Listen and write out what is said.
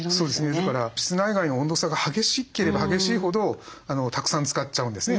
ですから室内外の温度差が激しければ激しいほどたくさん使っちゃうんですね